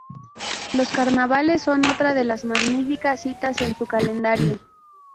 Los carnavales son otra de las magníficas citas en su calendario.